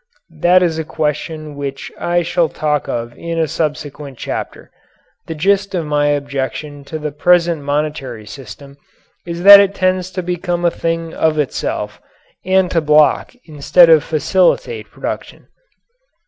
That is a question which I shall talk of in a subsequent chapter. The gist of my objection to the present monetary system is that it tends to become a thing of itself and to block instead of facilitate production.